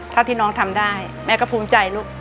ที่น้องทำได้แม่ก็ภูมิใจลูก